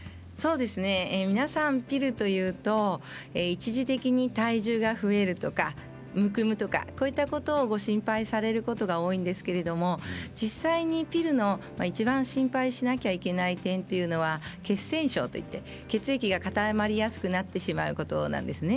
皆さんピルというと一時的に体重が増えるとかむくむとかこういったことをご心配されることが多いんですけれども実際にピルのいちばん心配しなければいけない点というのは血栓症といって血液が固まりやすくなってしまうことなんですね。